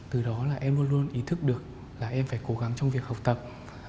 từ đó là em luôn luôn ý thức được là em phải cố gắng trong việc học tập